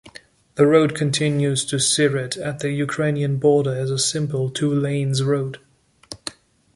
The road continues to Siret, at the Ukrainian border as a simple two-lanes road.